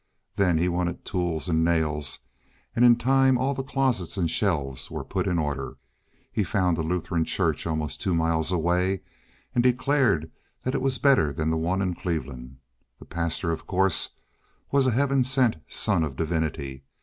Then he wanted tools and nails, and in time all the closets and shelves were put in order. He found a Lutheran Church almost two miles away, and declared that it was better than the one in Cleveland. The pastor, of course, was a heaven sent son of divinity.